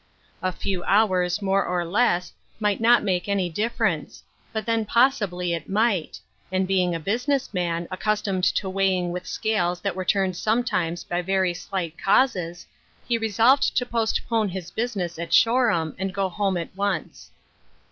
A few hours, more or less, might not make any difference ; but then possibly it might ; and being a business man, accustomed to weighing with scales that were turned sometimes by very slight causes, he resolved to postpone his business at Shoreham and go home at once.